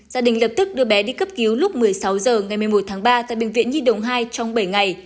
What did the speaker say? gia đình lập tức đưa bé đi cấp cứu lúc một mươi sáu h ngày một mươi một tháng ba tại bệnh viện nhi đồng hai trong bảy ngày